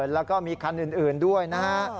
แล้วก็มีคันอื่นด้วยนะฮะ